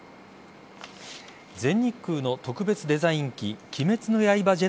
全日空の特別デザイン機「鬼滅の刃」